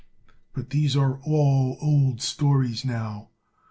But these are all old stories now.